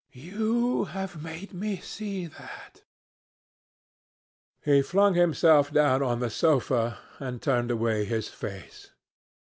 You have made me see that." He flung himself down on the sofa and turned away his face.